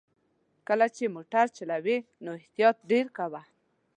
کله چې موټر چلوې نو احتياط ډېر کوه!